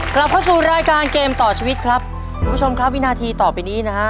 กลับเข้าสู่รายการเกมต่อชีวิตครับคุณผู้ชมครับวินาทีต่อไปนี้นะฮะ